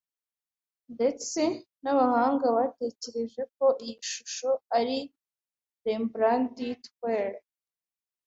Ndetse nabahanga batekereje ko iyi shusho ari Rembrandt kweli.